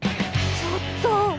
ちょっと！